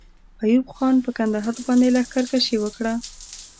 ایوب خان پر کندهار باندې لښکر کشي وکړه.